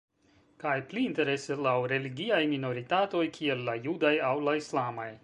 Kaj pli interese laŭ religiaj minoritatoj, kiel la judaj aŭ la islamaj.